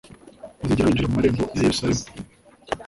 bazigera binjira mu marembo ya Yeruzalemu.